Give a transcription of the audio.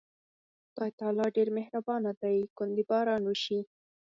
خدای تعالی ډېر مهربانه دی، ګوندې باران وشي.